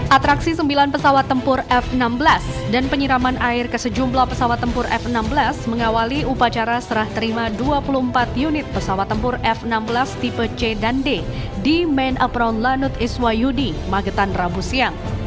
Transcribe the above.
atraksi sembilan pesawat tempur f enam belas dan penyiraman air ke sejumlah pesawat tempur f enam belas mengawali upacara serah terima dua puluh empat unit pesawat tempur f enam belas tipe c dan d di man apron lanut iswayudi magetan rabu siang